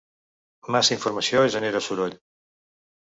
Massa informació genera soroll.